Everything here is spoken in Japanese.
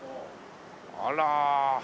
あら。